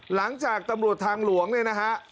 หลังจากตำรวจทางหลวงเนี่ยนะฮะ